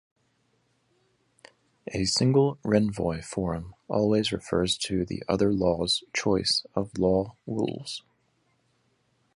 A single renvoi forum always refers to the other law's choice of law rules.